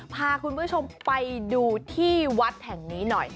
พาคุณผู้ชมไปดูที่วัดแห่งนี้หน่อย